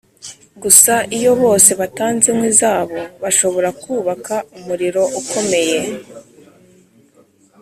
gusa iyo bose batanze inkwi zabo bashobora kubaka umuriro ukomeye